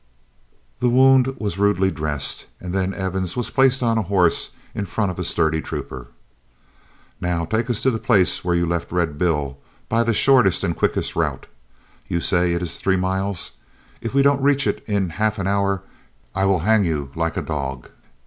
The wound was rudely dressed, and then Evans was placed on a horse in front of a sturdy trooper. "Now take us to the place where you left Red Bill, by the shortest and quickest route; you say it is three miles. If we don't reach it in half an hour, I will hang you like a dog.